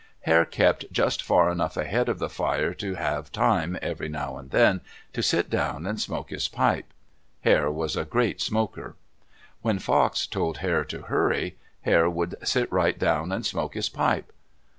Hare kept just far enough ahead of the fire to have time, every now and then, to sit down and smoke his pipe. Hare was a great smoker. When Fox told Hare to hurry, Hare would sit right down and smoke his pipe.